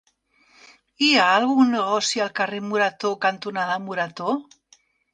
Hi ha algun negoci al carrer Morató cantonada Morató?